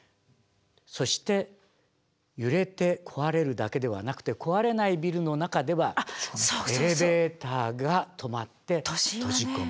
そして揺れて壊れるだけではなくて壊れないビルの中ではエレベーターが止まって閉じ込め。